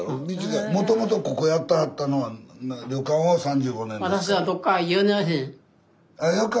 もともとここやってはったのは旅館を３５年ですか？